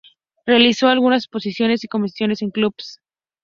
Realizó algunas exposiciones y convenciones en clubs.